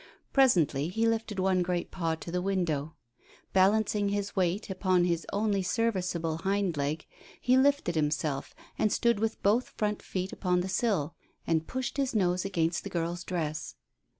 Presently he lifted one great paw to the window. Balancing his weight upon his only serviceable hind leg, he lifted himself and stood with both front feet upon the sill, and pushed his nose against the girl's dress.